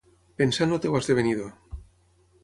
Pensa en el teu esdevenidor.